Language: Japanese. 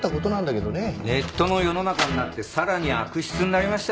ネットの世の中になってさらに悪質になりましたよ。